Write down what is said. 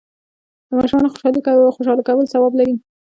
د ماشومانو خوشحاله کول ثواب لري.